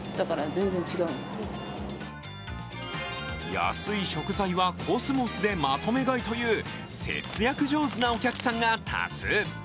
安い食材はコスモスでまとめ買いという節約上手なお客さんが多数。